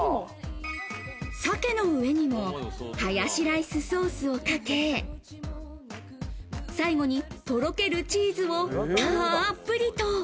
鮭の上にもハヤシライスソースをかけ、最後に、とろけるチーズをたっぷりと。